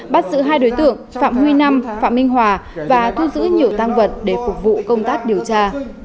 bắt giữ hai đối tượng phạm huy năm phạm minh hòa và thu giữ nhiều tăng vật để phục vụ công tác điều tra